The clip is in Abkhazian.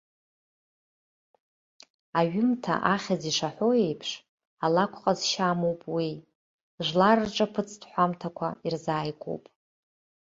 Аҩымҭа ахьӡ ишаҳәо еиԥш, алакә ҟазшьа амоуп уи, жәлар рҿаԥыцтә ҳәамҭақәа ирзааигәоуп.